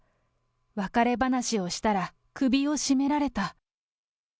別れ話をしたら、首を絞められた。